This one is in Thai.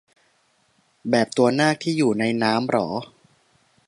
แบบตัวนากที่อยู่ในน้ำเหรอ